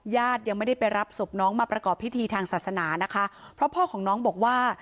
ญาติยังไม่ได้ไปรับศพน้องมาประกอบพิธีทางศาสนานะคะเพราะพ่อของน้องบอกว่า